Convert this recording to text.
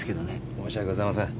申し訳ございません。